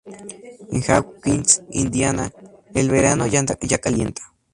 En Hawkins, Indiana, el verano ya calienta.